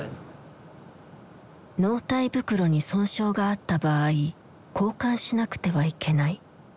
納体袋に損傷があった場合交換しなくてはいけない。